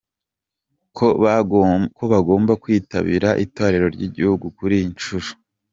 com ko bagomba kwitabira itorero ry'igihugu kuri iyi nshuro.